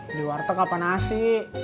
beli warteg apa nasi